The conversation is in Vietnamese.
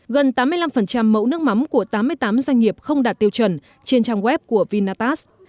gần tám mươi năm mẫu nước mắm của tám mươi tám doanh nghiệp không đạt tiêu chuẩn trên trang web của vinatast